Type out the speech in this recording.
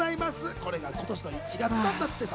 これが今年の１月だったってさ。